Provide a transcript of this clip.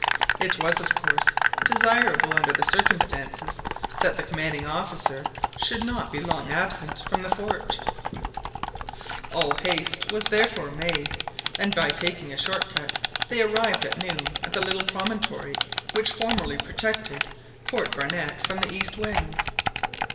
It was of course desirable under the circumstances that the commanding officer should not be long absent from the fort All haste was therefore made, and by taking a short cut they arrived at noon at the little promontory which formerly protected Port Barnett from the east winds.